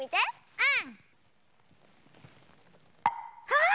うん。